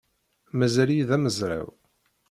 Mazal-iyi d amezraw.